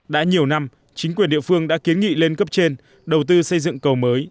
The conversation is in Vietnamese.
đã nhiều năm chính quyền địa phương đã kiến nghị lên cấp trên đầu tư xây dựng cầu mới